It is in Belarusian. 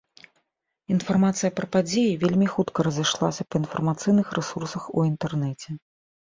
Інфармацыя пра падзеі вельмі хутка разышлася па інфармацыйных рэсурсах у інтэрнэце.